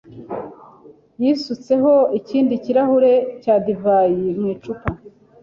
yisutseho ikindi kirahure cya divayi mu icupa.